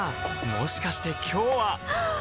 もしかして今日ははっ！